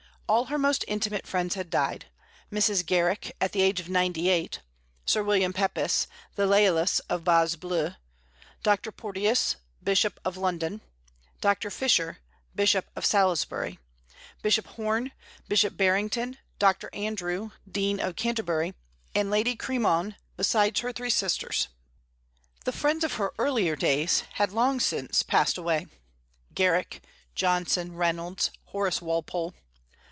All her most intimate friends had died, Mrs. Garrick at the age of ninety eight; Sir William Pepys (the Laelius of the "Bas Bleu"); Dr. Porteus, Bishop of London; Dr. Fisher, Bishop of Salisbury; Bishop Horne, Bishop Barrington; Dr. Andrew, Dean of Canterbury; and Lady Cremon, besides her three sisters. The friends of her earlier days had long since passed away, Garrick, Johnson, Reynolds, Horace Walpole.